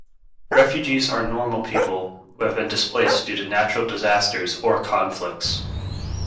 Refugees are normal people who have been displaced due to natural disaster or conflicts